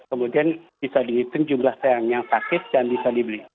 kemudian bisa dihitung jumlah yang sakit dan bisa dibeli